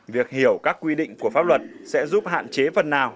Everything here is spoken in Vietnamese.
việc hiểu các quy định của pháp luật sẽ giúp hạn chế phần nào